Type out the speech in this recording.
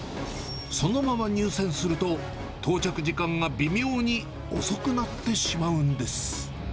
そのまま入線すると、到着時間が微妙に遅くなってしまうんです。